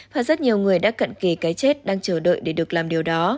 và rất nhiều người đã cận kề cái chết đang chờ đợi để được làm điều đó